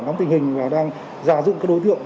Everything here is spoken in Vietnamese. nắm tình hình và đang giả dụng các đối tượng